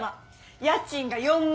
家賃が４万。